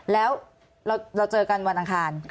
แล้วเราเจอกันวันอังคาร